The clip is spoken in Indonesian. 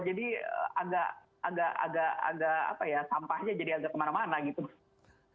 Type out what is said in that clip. jadi agak agak sampahnya jadi agak kemana mana gitu